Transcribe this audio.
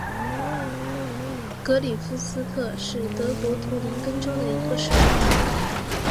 格里夫斯特是德国图林根州的一个市镇。